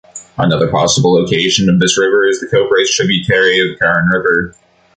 Another possible location of this river is the Coprates tributary of the Karun River.